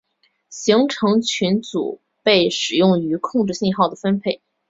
行程群组被使用于控制信号的分配。